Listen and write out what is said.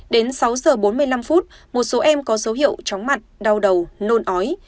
đến sáu h bốn mươi năm một số em có dấu hiệu tróng mặt đau đầu nôn ói